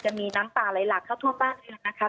จะมีน้ำป่าไหลหลากเข้าทั่วบ้านเมืองนะคะ